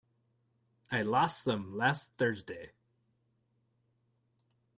I lost them last Thursday.